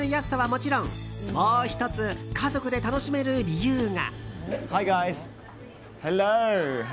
もちろんもう１つ家族で楽しめる理由が。